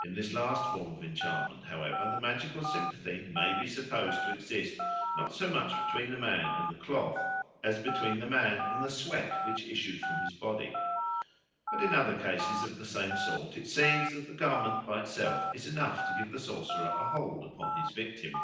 In this last form of enchantment, however, the magical sympathy may be supposed to exist not so much between the man and the cloth as between the man and the sweat which issued from his body. But in other cases of the same sort it seems that the garment by itself is enough to give the sorcerer a hold upon his victim.